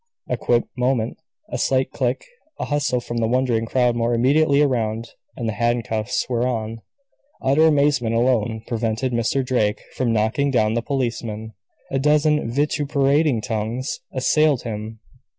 A quick movement, a slight click, a hustle from the wondering crowd more immediately around, and the handcuffs were on. Utter amazement alone prevented Mr. Drake from knocking down the policeman. A dozen vituperating tongues assailed him.